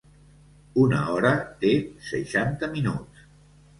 Una hora té seixanta minuts.